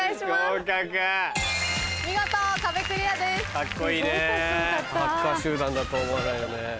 ハッカー集団だと思わないよね。